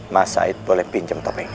mas said boleh pinjam topeng